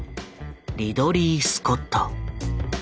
リドリー・スコット。